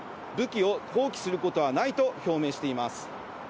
武器を放棄することはないと表明しています。